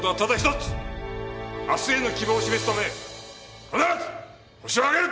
明日への希望を示すため必ずホシを挙げる！